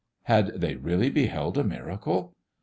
Had they really beheld a miracle?